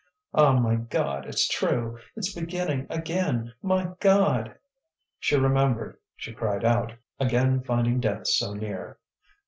"Ah, my God! it's true! it's beginning again, my God!" She remembered, she cried out, again finding death so near.